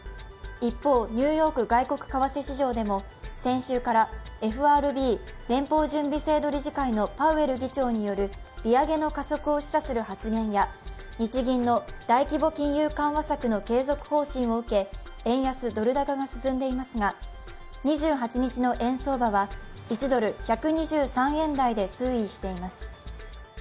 一方、ニューヨーク外国為替市場でも先週からＦＲＢ＝連邦準備制度理事会のパウエル議長による利上げの加速を示唆する発言や日銀の大規模金融緩和策の継続方針を受け円安ドル高が進んでいますが２８日の円相場は１ドル＝１２３円台で推移しています。